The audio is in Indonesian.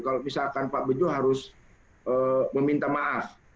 kalau misalkan pak bejo harus meminta maaf